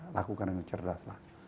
lakukan dengan cerdas